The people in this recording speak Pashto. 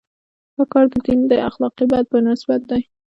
دا کار د دین اخلاقي بعد په نسبت دی.